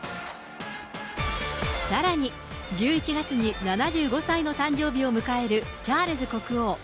さらに、１１月に７５歳の誕生日を迎えるチャールズ国王。